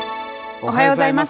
おはようございます。